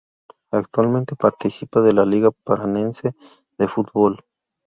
Actualmente participa de la Liga Paranaense de Fútbol.